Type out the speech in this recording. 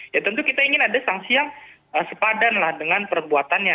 ya tentu kita ingin ada sanksi yang sepadan lah dengan perbuatannya